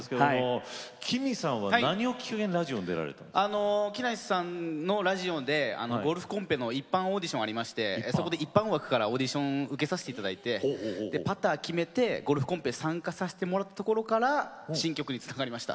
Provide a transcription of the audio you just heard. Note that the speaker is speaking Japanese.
ＫＩＭＩちゃんは何をきっかけに木梨さんのラジオでゴルフコンペが行ったオーディションがありまして一般枠でオーディションを受けさせていただいてパターを決めてゴルフコンペに参加させてもらったところから新曲につながりました。